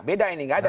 beda ini gak ada